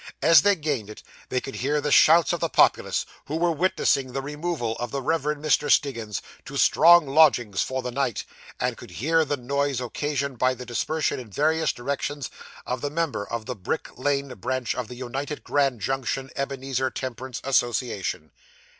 As they gained it, they could hear the shouts of the populace, who were witnessing the removal of the Reverend Mr. Stiggins to strong lodgings for the night, and could hear the noise occasioned by the dispersion in various directions of the members of the Brick Lane Branch of the United Grand Junction Ebenezer Temperance Association.